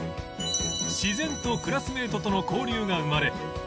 自然とクラスメートとの交流が生まれ